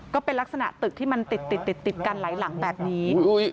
ก็เป็นลักษณะตึกที่มันติดติดกันหลายหลังแบบนี้